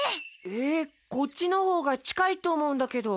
えっこっちのほうがちかいとおもうんだけど。